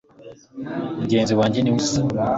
mugenzi wanjye niwe uza